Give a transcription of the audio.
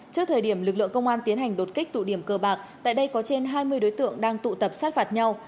trước thời điểm lực lượng công an tiến hành đột kích tụ điểm cờ bạc tại đây có trên hai mươi đối tượng đang tụ tập sát phạt nhau